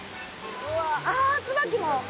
あツバキも。